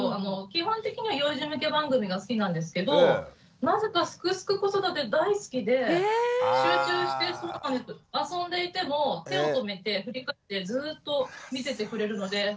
基本的には幼児向け番組が好きなんですけどなぜか「すくすく子育て」大好きで集中して遊んでいても手を止めて振り返ってずっと見ててくれるので本当に助かってます。